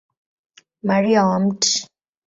Maria wa Mt.